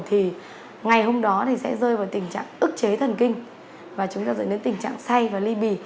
thì ngày hôm đó thì sẽ rơi vào tình trạng ức chế thần kinh và chúng ta dẫn đến tình trạng say và ly bì